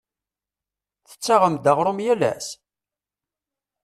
Tettaɣem-d aɣrum yal ass?